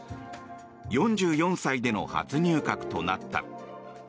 ４４歳での初入閣となった。